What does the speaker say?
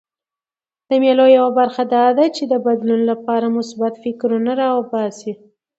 د مېلو یوه موخه دا ده، چي د بدلون له پاره مثبت فکرونه راباسي.